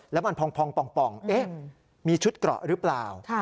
แล้วมันพองมีชุดเกราะหรือเปล่า